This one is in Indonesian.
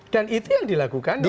dan itu yang dilakukan oleh